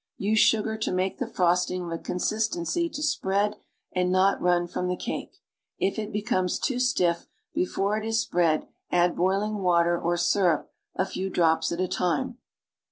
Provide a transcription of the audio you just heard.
Use sugar to make the frosting of a consistency to spread and not run from the cake. If it becomes too stiff be fore it is spread, adtl boiling water or syrup, a few drops at a time.